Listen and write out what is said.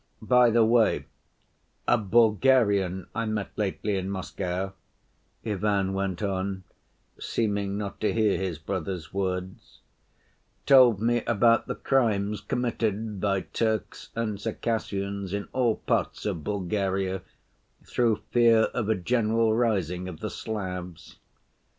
"By the way, a Bulgarian I met lately in Moscow," Ivan went on, seeming not to hear his brother's words, "told me about the crimes committed by Turks and Circassians in all parts of Bulgaria through fear of a general rising of the Slavs.